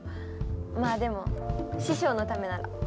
まあでも師匠のためなら。